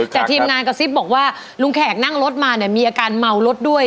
แต่ทีมงานกระซิบบอกว่าลุงแขกนั่งรถมาเนี่ยมีอาการเมารถด้วย